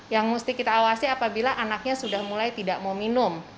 yang mesti kita awasi apabila anaknya sudah mulai tidak mau minum